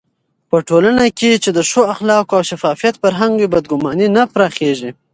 په ټولنه کې چې د ښو اخلاقو او شفافيت فرهنګ وي، بدګماني نه پراخېږي.